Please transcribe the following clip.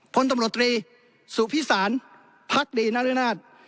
คนตำรวจตรีสุพิษศาลพรรคดีนรนดร